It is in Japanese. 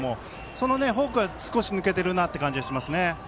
そのフォークが少し抜けてるなという感じがします。